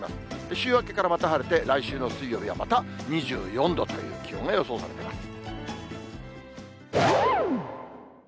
週明けからまた晴れて、来週の水曜日はまた２４度という気温が予想されてます。